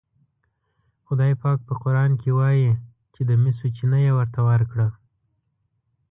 خدای پاک په قرآن کې وایي چې د مسو چینه یې ورته ورکړه.